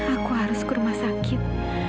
aku harus ke rumah sakit